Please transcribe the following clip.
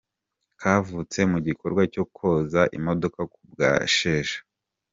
Kavutse mu gikorwa cyo koza imodoka kubwa Sheja.